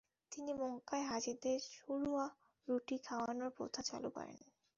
তিনি মক্কার হাজীদের সুরুয়া রুটি খাওয়ানের প্রথা চালু করেন।